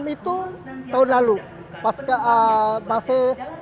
empat puluh enam itu tahun lalu pas ke dua ribu dua puluh satu dua ribu dua puluh dua